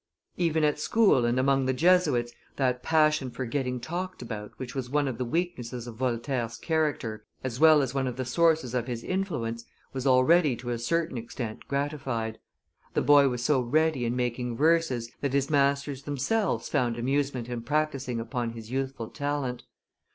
Even at school and among the Jesuits, that passion for getting talked about, which was one of the weaknesses of Voltaire's character, as well as one of the sources of his influence, was already to a certain extent gratified. The boy was so ready in making verses, that his masters themselves found amusement in practising upon his youthful talent.